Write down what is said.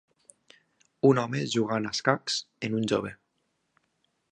Un home jugant a escacs amb un jove.